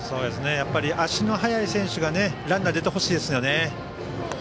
やっぱり足の速い選手がランナーに出てほしいですね。